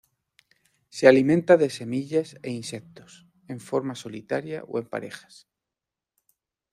Se alimenta de semillas e insectos en forma solitaria o en parejas.